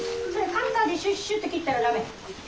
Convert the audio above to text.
カッターでシュッシュッって切ったら駄目。